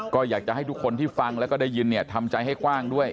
ก็อยากจะให้ทุกคนที่ฟังแล้วก็ได้ยินเนี่ยทำใจให้กว้างด้วย